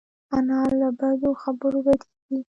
انا له بدو خبرو بدېږي